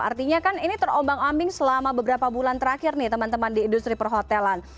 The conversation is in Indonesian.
artinya kan ini terombang ambing selama beberapa bulan terakhir nih teman teman di industri perhotelan